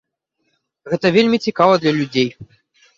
Гэта вельмі цікава для людзей.